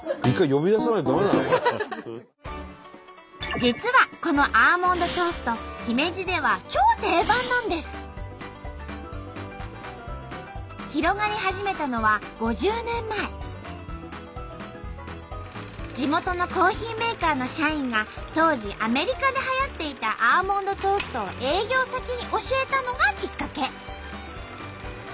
実はこのアーモンドトースト広がり始めたのは地元のコーヒーメーカーの社員が当時アメリカではやっていたアーモンドトーストを営業先に教えたのがきっかけ。